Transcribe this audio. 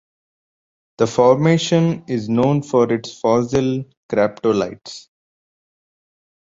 The formation is known for its fossil graptolites.